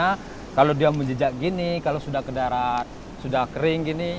karena kalau dia menjejak gini kalau sudah ke darat sudah kering gini